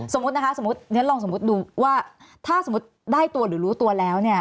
สมมตินะคะลองสมมติดูว่าถ้าสมมติได้ตัวหรือรู้ตัวแล้วเนี่ย